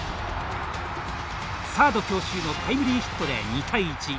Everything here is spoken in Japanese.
サード強襲のタイムリーヒットで２対１。